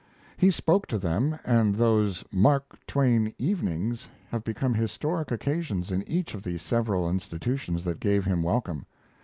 He spoke to them, and those "Mark Twain Evenings" have become historic occasions in each of the several institutions that gave him welcome.